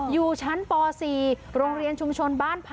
อยู่ชั้นป๔โรงเรียนชุมชนบ้านพระ